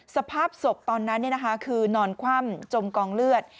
สภาพศพตอนนั้นคือนอนคว่ำจมกองเลือด